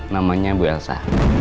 namanya bu elsa